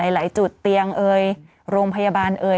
หลายจุดเตียงเอ่ยโรงพยาบาลเอ่ย